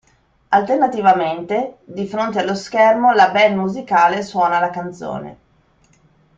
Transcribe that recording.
Alternativamente, di fronte allo schermo la band musicale suona la canzone.